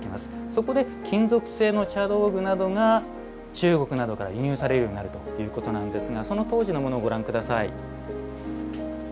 そこで金属製の茶道具などが中国などから輸入されるようになるということなんですがその当時のものをご覧下さい。